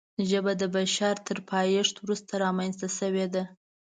ژبه د بشر تر پیدایښت وروسته رامنځته شوې ده.